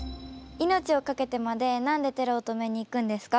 命をかけてまで何でテロを止めに行くんですか？